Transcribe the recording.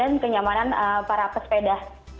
dan kenyamanan para pesepeda